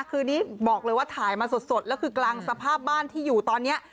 คือนี้บอกเลยว่าถ่ายมาสดแล้วคือกลางสภาพบ้านที่อยู่ตอนนี้